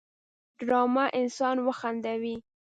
ډرامه انسان وخندوي